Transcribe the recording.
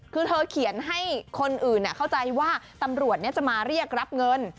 คือเธอเขียนให้คนอื่นเข้าใจว่าตำรวจจะมาเรียกรับเงิน